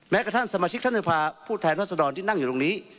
กระทั่งสมาชิกท่านสภาพผู้แทนรัศดรที่นั่งอยู่ตรงนี้